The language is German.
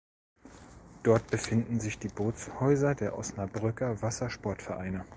Dort befinden sich die Bootshäuser der Osnabrücker Wassersportvereine.